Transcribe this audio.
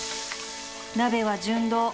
鍋は純銅